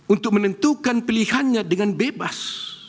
untuk menentukan pilihannya dengan bebas